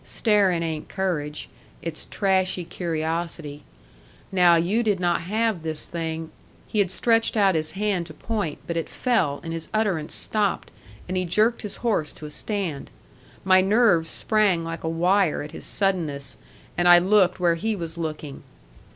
Staring ain't courage; it's trashy curiosity. Now you did not have this thing " He had stretched out his hand to point, but it fell, and his utterance stopped, and he jerked his horse to a stand. My nerves sprang like a wire at his suddenness, and I looked where he was looking.